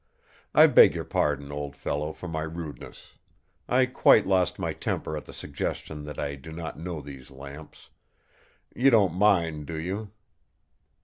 I beg your pardon, old fellow, for my rudeness. I quite lost my temper at the suggestion that I do not know these lamps. You don't mind, do you?"